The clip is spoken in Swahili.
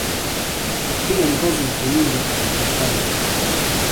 Twiga ni kazi kuwindwa na ni hatari